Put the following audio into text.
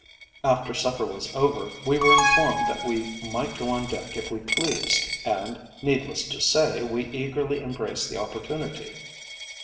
After supper was over, we were informed that we might go on deck if we pleased, and, needless to say, we eagerly embraced the opportunity.